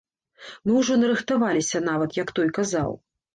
Мы ўжо нарыхтаваліся нават, як той казаў.